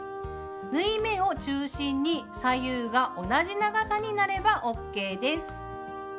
縫い目を中心に左右が同じ長さになればＯＫです。